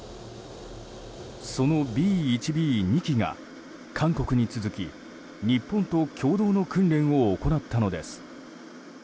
そのＢ１Ｂ、２機が韓国に続き日本と共同の訓練を行ったのです。